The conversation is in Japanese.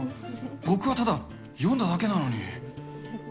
僕はただ読んだだけなのに。